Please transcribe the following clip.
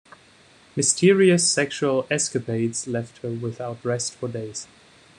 Mysterious sexual escapades left her without rest for days.